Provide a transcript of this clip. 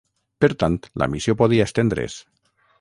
Per tant, la missió podia estendre's.